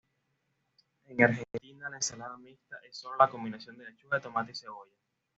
En Argentina, la ensalada mixta es solo la combinación de lechuga, tomate y cebolla.